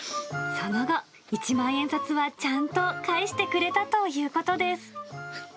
その後、一万円札はちゃんと返してくれたということです。